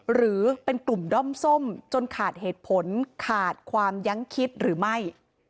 หรือเป็นกลุ่มด้อมส้มจนขาดเหตุผลขาดความยั้งคิดหรือไม่